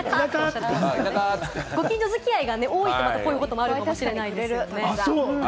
ご近所付き合いが多いと、こういうこともあるかもしれません。